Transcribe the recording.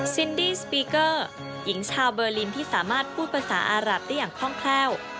ซินดี้สปีเกอร์หญิงชาวเบอร์ลินที่สามารถพูดภาษาอารับได้อย่างคล่องแคล่ว